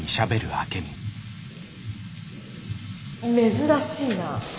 珍しいな。